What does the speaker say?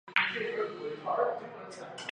后赴上海谋职。